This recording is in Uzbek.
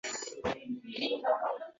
Chunki mavzudan chiqib keta olmagan muallif